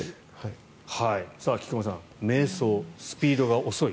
菊間さん、迷走スピードが遅い